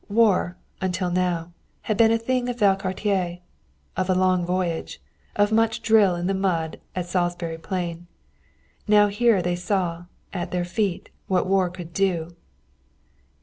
War, until now, had been a thing of Valcartier, of a long voyage, of much drill in the mud at Salisbury Plain. Now here they saw, at their feet, what war could do.